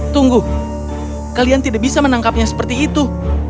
tunggu kalian tidak bisa menangkapnya seperti itu